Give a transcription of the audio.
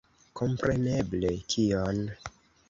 Kompreneble, kion!